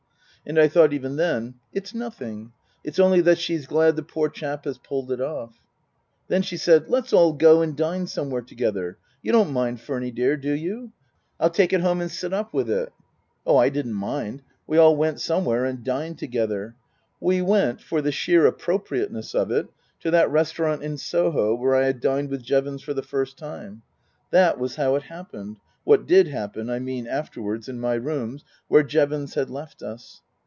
And I thought even then : It's nothing. It's only that she's glad the poor chap has pulled it off. Then she said, " Let's all go and dine somewhere together. You don't mind, Furny dear, do you ? I'll take it home and sit up with it." Oh, I didn't mind. We all went somewhere and dined together. We went, for the sheer appropriateness of it, to that restaurant in Soho where I had dined with Jevons for the first time. That was how it happened what did happen, I mean, afterwards, in my rooms where Jevons had left us.